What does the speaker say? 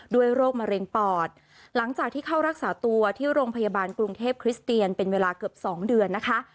โรคมะเร็งปอดหลังจากที่เข้ารักษาตัวที่โรงพยาบาลกรุงเทพคริสเตียนเป็นเวลาเกือบสองเดือนนะคะ